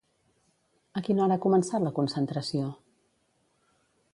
A quina hora ha començat la concentració?